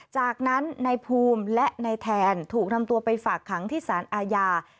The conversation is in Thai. จากนั้นในภูมิและในแทนถูกนำตัวไปฝากขังที่สารอาญา